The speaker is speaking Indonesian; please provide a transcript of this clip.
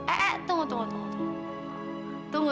eh tunggu tunggu tunggu tunggu